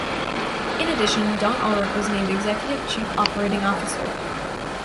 In addition, Don Ulrich was named Executive Chief Operating Officer.